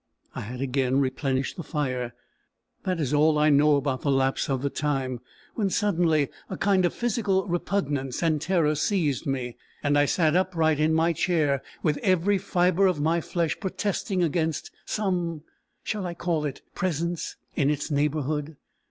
I had again replenished the fire that is all I know about the lapse of the time when, suddenly, a kind of physical repugnance and terror seized me, and I sat upright in my chair, with every fibre of my flesh protesting against some shall I call it presence? in its neighbourhood.